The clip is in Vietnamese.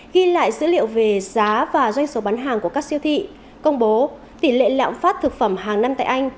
ghi lại dữ liệu về giá và doanh số bán hàng của các siêu thị công bố tỷ lệ lãng phát thực phẩm hàng năm tại anh